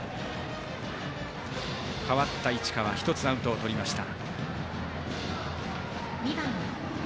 代わった市川１つアウトをとりました。